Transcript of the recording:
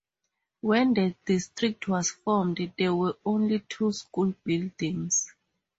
When the district was formed, there were only two school buildings.